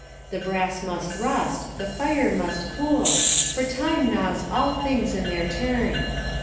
The brass must rust, the fire must cool, for time gnaws all things in their turn.